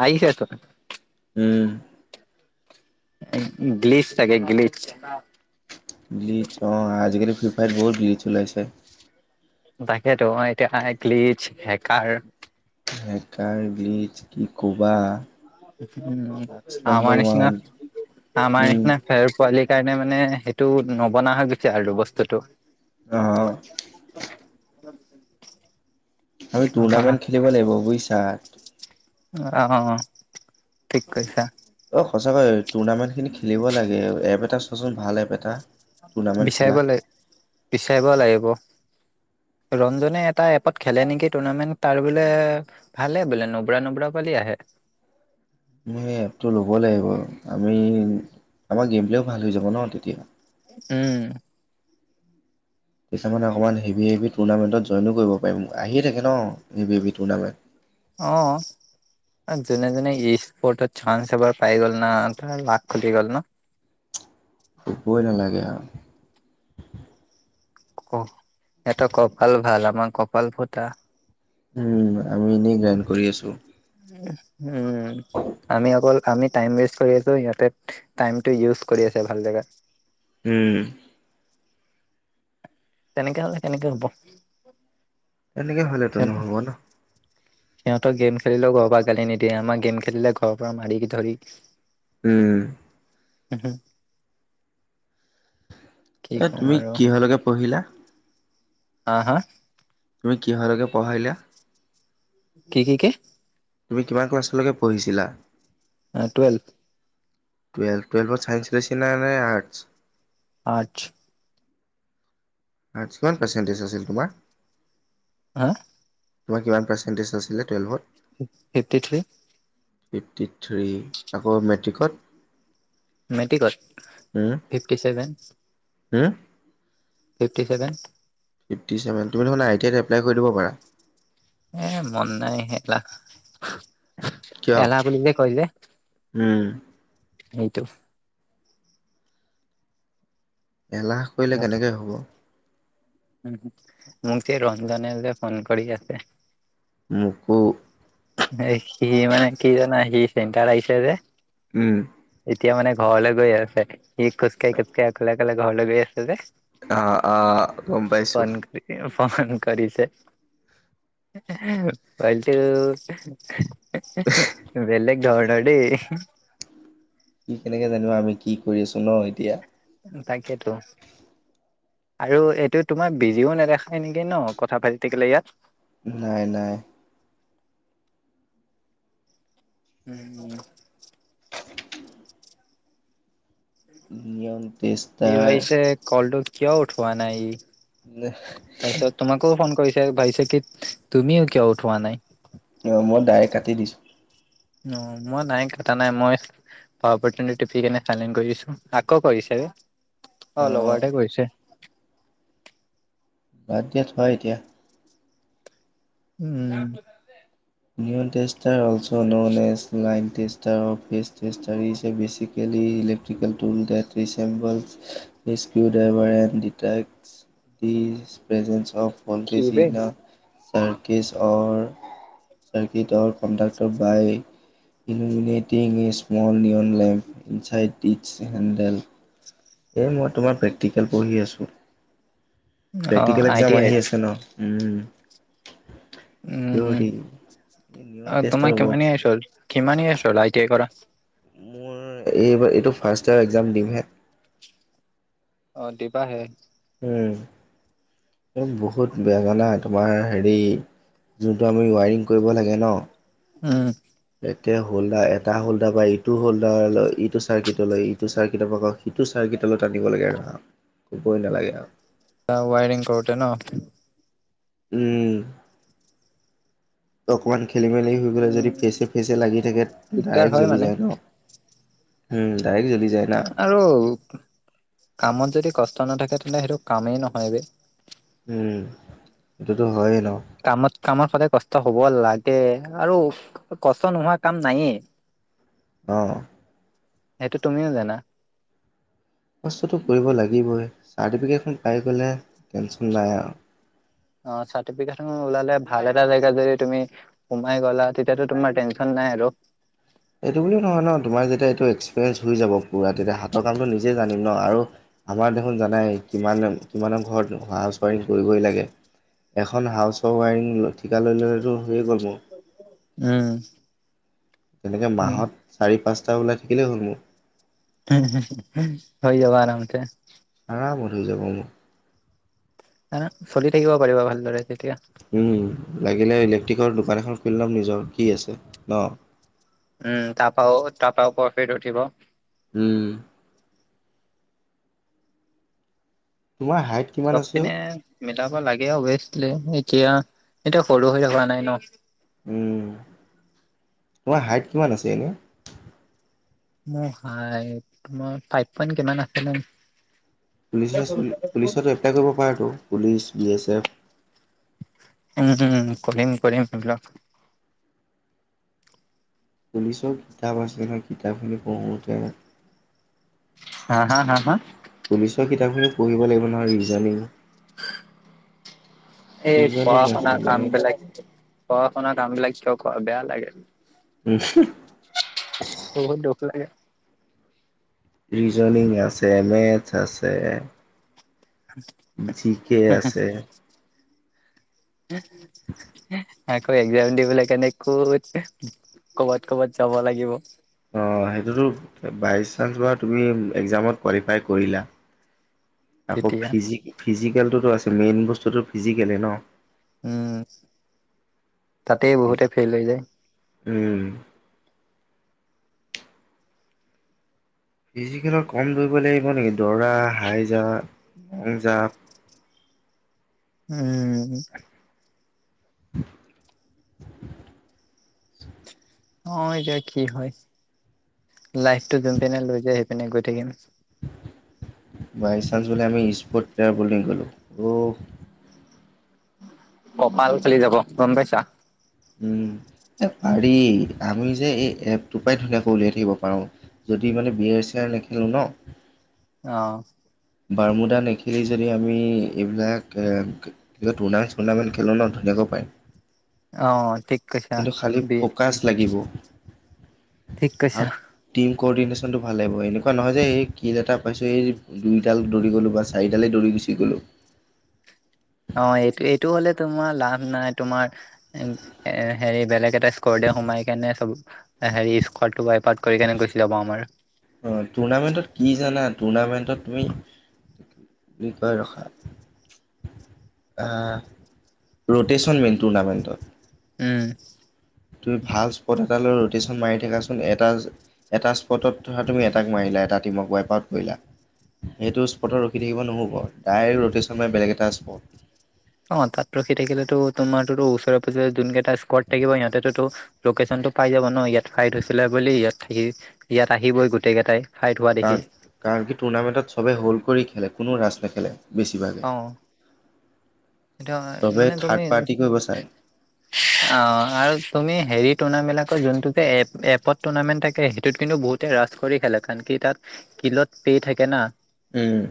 আহ আহছেছ উম, গিলিচ থাকে গিলিচ ব্লিচ অ আজিকালি ফিফাইত বহুত ব্লিচ ওলাইছে। তাকেইেতো এতিয়া আই গ্লিচ হেকাৰ হেকাৰ বিচ কি কোবা উম আমাৰ নিচিনা ওৱান আমাৰ উম, নিচিনা ফেৰ পোৱালি সেই কাৰণে মানে সেইটো নবনা হৈ গৈছে আৰু বস্তুটো অ', [unintelligible] কি আমি কবা টুৰ্ণামেণ্ট খেলিব লাগিব বুজিছা। অ ঠিক কৈছা। অ', সঁচাকৈ টুৰ্ণামেণ্টখিনি খেলিব লাগে এপ এটা চোৱাচোন ভাল এপ এটা টুৰ্ণামেণ্ট খেলা বিচাৰিব লাগ বিচাৰিব লাগিব ৰঞ্জনে এটা এপত খেলে নেকি টুৰ্ণামেণ্ট তাৰ বোলে ভালে বোলে নোবৰা নোবৰা পোৱালি আহে। [inaudible] মোৰ এপটো ল'ব লাগিব আমি আমাৰ গেম পও ভাল হৈ যাব ন তেতিয়া। উম কিছুমানে অকণমান হেভি হেভি টুৰ্ণামেণ্টত জইনো কৰিব পাৰিম আহিয়ে থাকে ন হেভি হেভি টুৰ্ণামেণ্ট অ যোনে যোনে ই স্পৰ্টৰ চান্স এবাৰ পাই গল ন ত লাক খুলি গ'ল ন। [inaudible] কবৈ নালাগে আৰু ক সহঁত কপাল ভাল আমাৰ কপাল ফুটা উম আমি এনেই গ্ৰাইণ কৰি আছো। উম আমি অকল আমি টাইম ৱেষ্ট কৰি আছো ইহতে টাইম ইউজ কৰি আছে ভাল জেগাত। উম। তেনেকে হলে কেনেকে হ'ব। এনেকৈ হ'লেতো নহ'ব ন সিহঁতৰ গেম খেলিলেও ঘৰৰ পৰা গালি নিদিয়ে আমাৰ গেম খেলিলে ঘৰৰ পৰা মাৰি ধৰি উম উমহ এ তুমি কিহলৈকে পঢ়িলা? হা হা তুমি কিহৰলৈকে পঢ়াইলা কি কি কি তুমি কিমান ক্লাছলৈকে পঢ়িছিলা? টুৱেলভ টুৱেলভ টুৱেলভত চাইন্ঞ্চ ল চি নাই নাই আৰ্টছ। আঠ কিমান পাৰ্চেণ্টেজ আছিল তোমাৰ হা তোমাৰ কিমান পাৰ্চেণ্টেজ আছিলে twelve fifty three fifty three আকৌ মেট্ৰিকত মেট্ৰিকত ফিফটি ছেভেন হে ফিফটি ছেভেন ফিফটি চেভেন তুমি দেখোন আই টি আই এপ্লাই কৰি দিব পাৰা এ মন নাই এলাহ এলাহ বুলিলে কৈলে হম সেইটো এলাহ কৰিলে কেনেকৈ হ'ব? মোক যে ৰঞ্জনে যে ফোন কৰি আছে। মোকো সি মানে কি জানা সি চেণ্টাৰ আহিছে যে। উম এতিয়া মানে ঘৰলৈ গৈ আছে সি খোজকাঢ়ি খোজকাঢ়ি অকলে অকলে ঘৰলৈ গৈ আছে যে অ আহ গম পাইছো। ফোন কৰি ফোন কৰিছে পটো। বেলেগ ধৰণৰ দেই কি কেনেকে জানিবা আমি কি কৰি আছো ন এতিয়া। তাকেতো আৰু এইটো তোমাৰ বিজিও নেদেখায় নেকি ন কথা পাতি থাকিলে ইয়াত। নাই নাই উম নি কি ভাবিছে কলটো কিয় উঠৱা নাই তাৰপিছত তোমাকো ফোন কৰিছে ভাবিছে কি তুমিও কিয় উঠোৱা নাই। অ মই ডাইৰেক্ট কাটি দিছো। অ মই নাই কটা নাই মই, পাৱাৰ পতনি টিপি কেনে চাইলেন কৰি দিছো আকৌ কৰিছে। অ লগৰতে কৰিছে। বাদ দিয়া থোৱা এতিয়া। উম। New tester also known as line tester office. চেষ্টা দিছে, basically electrical tool that resemble screw driver and detects the presence of কি বলটে বে চিনা circuits or circuit or conductor by illuminating is small neon lamp, inside its handle এই মই তোমাৰ practical পঢ়ি আছোঁ। অ প্ৰেক্টিকেল আই টি এক্সাম আইৰ আহি আছে ন উম! উম! উম! থিয়ৰী নিউন তোমাক টেষ্টৰ ৱৰ্ক কিমানি ইয়েছ কিমানি ইয়েছ চলাইটে কৰা । মোৰ এইবাৰ এইটো ফাৰ্ষ্ট ইয়েৰ এক্সাম দিমহে। অ দিবাহে। উম, বহুত বেয়া জানা তোমাৰ হেৰি যোনটো আমি ৱাইৰিং কৰিব লাগে ন। উম! এতিতে হোল্ডাৰ, এটা হল্ডাৰ বা ইটো হোল্ডাৰ লয় ইটো চাৰ্কিট লয় ইটো চাৰ্কিটৰ পৰা ক সিটো চাৰ্কিট টালত আনিব লাগে আৰু, কবই নালাগে আৰু। ত ৱাইাৰং কৰোতে ন। উম অকমান। খেলি -মেলি হৈ পেলাই যদি উম, ফেচে ফেচে লাগি থাকে, দিগদাৰ ডাইৰেক্ট হয় জ্বলি মানে যায় ন হুম। আৰু, কামত যদি কচ নাথাকে তেন্তে সেইটো কামেই নহয় বে। উম, এইটোটো হয়। কামত কামত সদায় কষ্ট হ'ব লাগে, আৰু কষ্ট নোহোৱা কাম নায়েই। অ। সেইটো তুমিও জানা। বস্তুটো কৰিব লাগিবই, চাৰ্টিফিকেটখন পাই গলে টেনশন নাই আৰু। অ চাৰ্টিফিকেট ওলালে ভাল এটা জেগা যদি তুমি সোমাই গলা, তেতিয়াটো তোমাৰ টেনশ্যন নাই। হেল্ল'! এইটো বুলিও নহয় ন তোমাৰ যেতিয়া এইটো এক্সপিৰিয়েঞ্চ হৈ যাব পুৰা তেতিয়া হাতৰ কামটো নিজে জানিম ন আৰু আমাৰ দেখোন জানাই কিমান কিমানৰ ঘৰত হ চাৰি কৰিবই লাগে। এখন হাউছৰ ৱাইৰিং ঠিকা লৈ ল'লেতো হৈয়ে গ'ল মোৰ। উম, তেনেকে উম, মাহত চাৰি -পাঁচটা ওলাই থাকিলেই হ'ল মোৰ। হে হে হে, হৈ যাব আৰামতে। আৰামত হৈ যাব মোৰ। চলি থাকিব পাৰিব ভালদৰে। তেতিয়া। লাগিলে ইলেক্ট্ৰিকৰ দোকান এখন খুলি ল'ম নিজৰ কি আছে ন। উম! তপা তপা প্ৰফিট উঠিব। হম। তোমাৰ হাইট কিমান চব আছে অ পিনে মিলাব লাগে অৱ। এতিয়া এতিয়া সৰু হৈ থকা নাই ন। উ তোমাৰ হাইট কিমান আছে এনেই? মোৰ হাইট তোমাৰ ফাইপপইন কিমান আছে ম। পুলিচ পুলিচতো এপ্লাই কৰিব পাৰাতো পুলিচ বি এছ এফ। উম! উম! কৰিম কৰিম এইবিলাক। পুলিচও কিতাপ আছে নহয় কিতাপখিনি পঢ়োতে । হ হা হা হা পুলিচৰ কিতাপখিনিও পঢ়িব লাগিব নহয় ৰিজনিং। এই ৰিজনিং পঢ়া- শুনা আছে কাম মেথছ বিলাক আছে পঢ়া -শুনা কাম বিলাক কিয় কৰা বেয়া লাগে। উম! বহুত দুখ লাগে। ৰিজনিং আছে মেথছ আছে। জি কে আছে। আকৌ এক্সাম দিবলৈ কাৰণে ক'ত ক'বাত, ক'বাত, যাব লাগিব। অঁ সেইটোতো বাই চান্স বা তুমি এক্সামত কোৱালিফাই কৰিলা। [inaudible] আকৌ তেতিয়া ফিজি - ফিজিকেলটোতো আছে মেইন বস্তুতটো ফিজিকেলে ন? উম তাতেই বহুতে ফেইল হৈ যায়। উম। ফিজিকেলত কম দৌৰিব লাগিব নেকি! দৌৰা, হাই জাম্প, লং জাম্প উম। অঁ এতিয়া কি হয় লাইফটো যোন পিনে লৈ যায় সেইপিনে গৈ থাকিম। বাই চান্স বুলে আমি স্পৰ্ট প্লেয়াৰ বুলি কৰিলোঁ অ'হ। কপাল ফালি যাব গম পাইছা? উম। এ পাৰি আমি যে এই এপটোৰ পৰাই ধুনীয়াকৈ উলিয়াই থাকিব পাৰো যদি মানে বি আৰ চিআৰ নেখেলোঁ ন'। অঁ' । বাৰ্মুদা নেখেলি যদি আমি এইবিলাক অ টুৰ্ণামেট চুৰ্ণামেণ্ট খেলোঁ ন ধুনীয়াকৈ [unintelligible] অঁ ঠিক। কৈছা কিন্ত খালি বি ফকাচ লাগিব ঠিক কৈছা আৰু টিম কৰদিনেচ চনটো ভাল হব এনেকুৱা নহয় যে এই কিল এটা পাইছোঁ এই দুইডাল দৌৰি গ'লো বা চাৰিডালেই দৌৰি গুচি গ'লো । [inaudible] অঁ' এইটো এইটো হলে তোমাৰ লাভ নাই তোমাৰ হেৰি বেলেগ এটা স্কৰ দে [unintelligible] সোমাই কেনে [unintelligible] অ' হেৰি স্কৰ টো পাই। পাৰ্ট কৰি কেনে গৈছিলে বাৰু আমাৰ। অ' টুৰ্ণামেণ্টত কি জানা টুৰ্ণামেণ্টত তুমি কি কয় ৰখা। অঁ' ৰোটেচন মেইন টুৰ্ণামেণ্টত। উম। তুমি ভাল স্পট এটা লৈ ৰ' ৰোটেচন মাৰি থাকাচোন এটা - এটা স্পটত ধৰা তুমি এটাক মাৰিলা এটা টিমক ৱাইপ আউট কৰিলা। সেইটো স্পটত ৰখি থাকিব নহ'ব ডাইৰেক্ট ৰোটেচন মাৰি বেলেগ এটা স্পট। অঁ তাত ৰখি থাকিলেতো তো তোমাৰতটো ওচৰে পাজৰে যোন কেইটা স্কড থাকিব সিহঁতেতটো লোকেচনটো পাই যাব ন ইয়াত ফাইট হৈছিলে বুলি ইয়াত থাকি ইয়াত আহিবই গোটেই কেইটাই। ফাইট হোৱা দেখি কাৰণ, কাৰণ কি টুৰ্ণামেণ্টত সবেই হোল্ড কৰি খেলে কোনো ৰাছ নেখেলে। বেছিভাগে। সেইটো চবে মানে তুমি থাৰ্ড পাৰ্টি কৰিব চায় অ আৰু তুমি হেৰিত টুৰ্ণামেলাকৰ যোনটো যে এট এপত টুৰ্ণামেণ্ট থাকে সেইটোত কিন্তু বহুতে ৰাছ কৰি খেলে কাৰন কি তাত কিলত পে থাকে না। উম।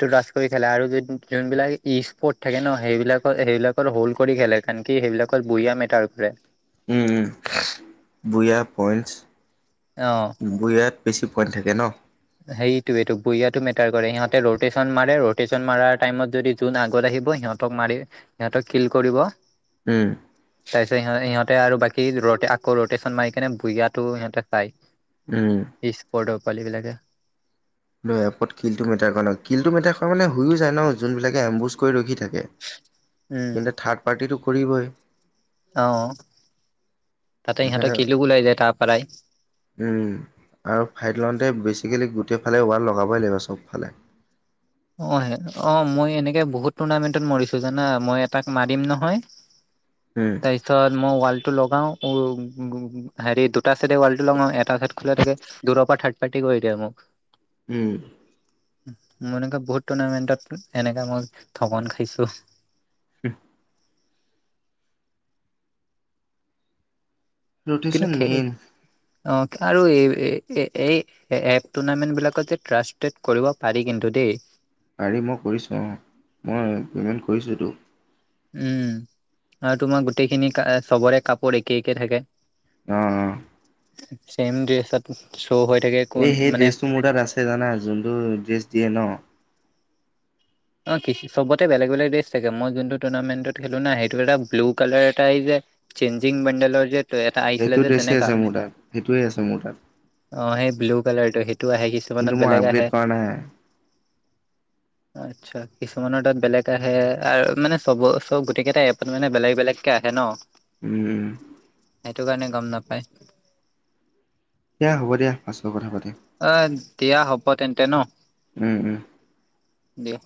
টো ৰাচ কৰি খেলে আৰু যো - যোনবিলাক ইষ্ট পৰ্ট থাকে ন সেইবিলাকত সেইবিলাকৰ হ'ল্ড কৰি খেলে কাৰন কি সেইবিলাকত বুহিয়া মেটাৰ কৰে। উম উম বুইয়া, পইন্টছ। বুইয়াত বেছি পইন থাকে ন! সেইটোৱেটো বুইয়াতো মেটাৰ কৰে সিহঁতে ৰটেচন মাৰে ৰটেচন মাৰাৰ টাইমত যদি যোন আগত আহি আহিব সিহঁতক মাৰি সিহঁতক কিল কৰিব। উম। তাৰ পিছত সিহ - সিহঁতে আৰু বাকী ৰ আকৌ ৰটেচন মাৰি কেনে বুইয়াতো সিহঁতে চাই উম ই স্পটৰ পোৱালি বিলাকে। নহয় এপত কিলটো মেটাৰ কৰা ন' কিলটো মেটাৰ কৰা মানে হৈ অ যায় ন যোনবিলাকে এম্বুজ কৰি ৰখি থাকে। কে, উম, কিন্তু থাৰ্ড পাৰ্টিটো কৰিবই। অ' তাতে সিহঁতে সেইকাৰণে কিল ও ওলাই যায় তাৰ পাৰাই। উম আৰু ফাইট লওঁতে বেচিকেলি গোট ফালে ওৱাল লগাবই লাগিব চবফালে। অ অ মই এনেকে বহুত টুৰ্ণামেন্টত মৰিছো জানা মই এটা মাৰিম নহয় উম তাৰপিছত মই লগাও উ হেৰি দুটা চাইড ৱালটো লগাও এটা চাই খোলা থাকে দূৰৰ পৰা থাৰ্ড পাৰ্টি দিয়া মোক উম মনে বহুত টুৰ্ণামেন্টত এনেকা মই ঠগন খাইছো উ কিন্তু ৰোট্শন খে মেইন অ আৰু এই এ টুৰ্ণামেণ্ট বিলাকত যে ত্ৰাসষ্ট কৰিব পাৰি কিন্তু দেই পাৰি মই কৰিছোঁ অ মই পে'মেণ্ট কৰিছোঁতো উম আৰু তোমাৰ গোটেইখিনি চবৰে কাপোৰ একে একে থাকে আহ আহ চেম ড্ৰেছ এই সেই ড্ৰেছটো মোৰ তাত আছে জানা যোনটো ড্ৰেছ দিয়ে ন অ চবতে বেলেগ বেলেগ দেশ থাকে মই যোনটো টুৰ্ণামেণ্টত খেলো না সেইটো এটা ব্লু কালাৰ এটা যে চেঞ্জিং মণ্ডল যে এটা আহিছিলে সেইটো যে ড্ৰেছে তেনেকা আছে মোৰ তাত সেইটোৱে আছে মোৰ তাত অ সেই ব্লু কালাৰটো সেইটো আহে কিন্তু কিছুমানত মই বেলেগ আপগ্ৰেড আহে কৰা নাই আচ্ছা কিছুমানৰ তাত বেলেগ আহে আৰু মানে চব চব গোটেই কেইটা এপত মানে বেলেগ বেলেগকে আহে ন উম সেইটো কাৰণে গম নাপায় সেয়া হ'ব দিয়া পাছৰ কথা পাতে। অ দিয়া হ'ব তেন্তে ন উম উম দিয়া